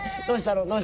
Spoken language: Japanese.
どうしたの？